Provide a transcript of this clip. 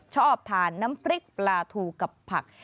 ชอบทานน้ำพริกปลาทูกับผัก